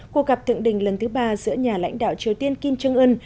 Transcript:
cuộc gặp thượng đình lần thứ ba giữa nhà lãnh đạo triều tiên kim jong un